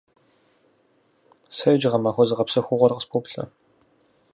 Сэ иджы гъэмахуэ зыгъэпсэхугъуэр къыспоплъэ.